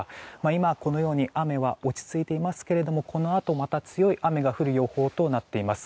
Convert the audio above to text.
今、このように雨は落ち着いていますけどこのあと、また強い雨が降る予報となっています。